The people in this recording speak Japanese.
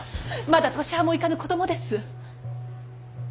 まだ年端も行かぬ子供です。